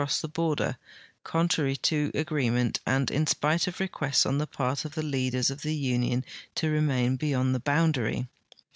ssed the border, contrary to agreement and in spite of requests on the part of the leaders of the union to remain beyond the boundary.